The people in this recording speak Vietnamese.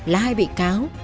lai bị cáo